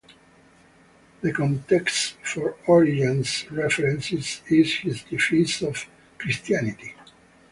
The context for Origen's references is his defense of Christianity.